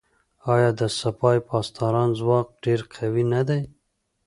آیا د سپاه پاسداران ځواک ډیر قوي نه دی؟